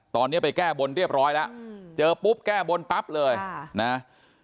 ตอนนี้ไปแก้บนเรียบร้อยแล้วเจอปุ๊บแก้บนปั๊บเลยนะ